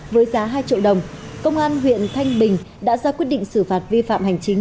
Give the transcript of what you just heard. với giá hai triệu đồng công an huyện thanh bình đã ra quyết định xử phạt vi phạm hành chính